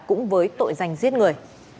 cũng với tội giành giết người